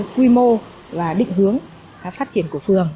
quy mô và định hướng phát triển của phường